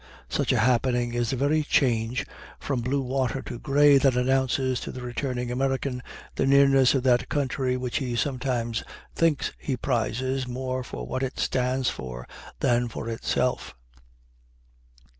Such a happening is the very change from blue water to gray that announces to the returning American the nearness of that country which he sometimes thinks he prizes more for what it stands for than for itself.